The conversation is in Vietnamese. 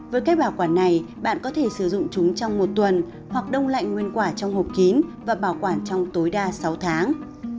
với cách bảo quản này bạn có thể sử dụng chúng trong một tuần hoặc đông lạnh nguyên quả trong hộp kín và bảo quản trong tối đa sáu tháng